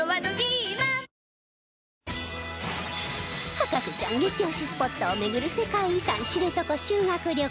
博士ちゃん激推しスポットを巡る世界遺産知床修学旅行